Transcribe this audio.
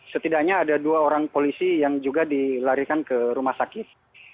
setidaknya ada dua orang polisi yang juga dilarikan ke rumah sakit